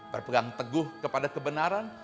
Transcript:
berpegang teguh kepada kebenaran